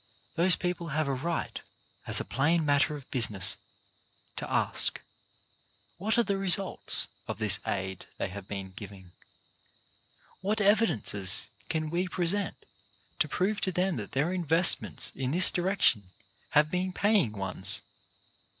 Those people have a right, as a plain matter of business, to ask what are the results of this aid they have been giving. What evidences can we present to prove to them that their investments in this direc tion have been paying ones?